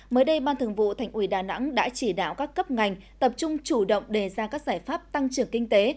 mới đây ban thường vụ thành ủy đà nẵng đã chỉ đạo các cấp ngành tập trung chủ động đề ra các giải pháp tăng trưởng kinh tế